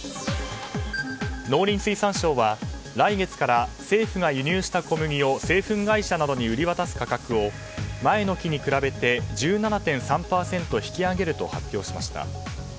農林水産省は、来月から政府が輸入した小麦を製粉会社などに売り渡す価格を前の期に比べて１７．３％引き上げると発表しました。